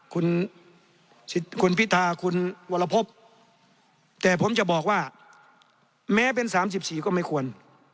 คุณคุณพิธาคุณแต่ผมจะบอกว่าแม้เป็นสามสิบสี่ก็ไม่ควร